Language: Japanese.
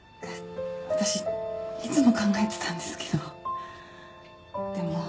私いつも考えていたんですけどでも。